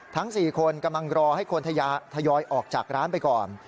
ทั้ง๔คนกำลังรอให้คนทยอยออกจากร้านไปก่อน